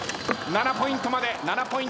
７ポイントまで。